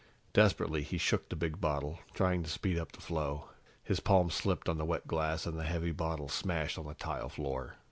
Desperately, he shook the big bottle, trying to speed up the flow. His palms slipped on the wet glass, and the heavy bottle smashed on the tile floor.